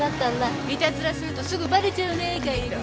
いたずらするとすぐバレちゃうね海斗。